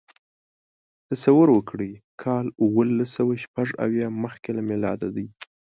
تصور وکړئ کال اوولسسوهشپږاویا مخکې له میلاده دی.